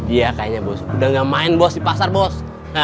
iya kayaknya bos udah gak main bos di pasar bos